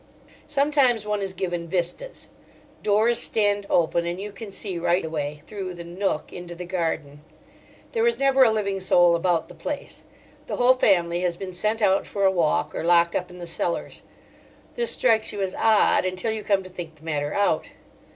Sometimes one is given "Vistas." Doors stand open, and you can see right away through "The Nook" into the garden. There is never a living soul about the place. The whole family has been sent out for a walk or locked up in the cellars. This strikes you as odd until you come to think the matter out.